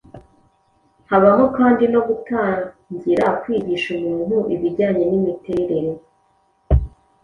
Habamo kandi no gutangira kwigisha umuntu ibijyanye n’imiterere